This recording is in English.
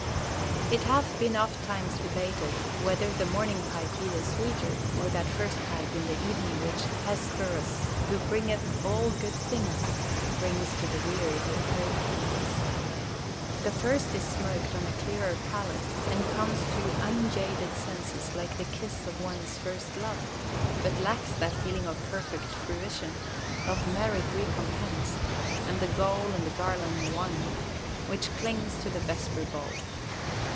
It hath been ofttimes debated whether the morning pipe be the sweeter, or that first pipe of the evening which "Hesperus, who bringeth all good things," brings to the weary with home and rest. The first is smoked on a clearer palate, and comes to unjaded senses like the kiss of one's first love; but lacks that feeling of perfect fruition, of merit recompensed and the goal and the garland won, which clings to the vesper bowl.